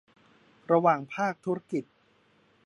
ระหว่างภาคธุรกิจ